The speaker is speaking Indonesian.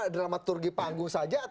dramaturgi panggung saja